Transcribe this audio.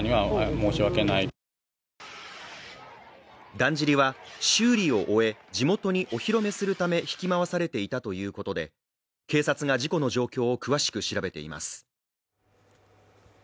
だんじりは修理を終え地元にお披露目するためひき回されていたということで、警察が事故の状況を詳しく調べています。